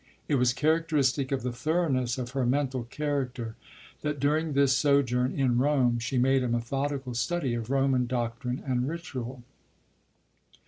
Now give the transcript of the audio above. It was characteristic of the thoroughness of her mental character that during this sojourn in Rome she made a methodical study of Roman doctrine and ritual.